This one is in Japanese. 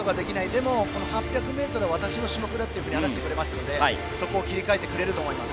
でも８００ｍは私の種目だと話してくれましたので、そこを切り替えてくれると思います。